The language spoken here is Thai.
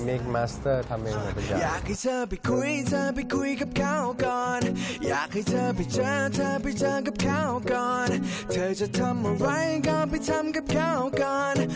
มิกซ์มาสเตอร์ทำเองเหมือนกัน